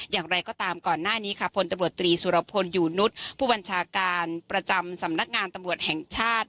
อย่างไรก็ตามก่อนหน้านี้ค่ะพลตำรวจตรีสุรพลอยู่นุษย์ผู้บัญชาการประจำสำนักงานตำรวจแห่งชาติ